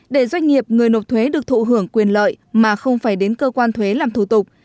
để doanh nghiệp người nộp thuế được thụ hưởng quyền lợi mà không phải đến cơ quan thuế làm thủ tục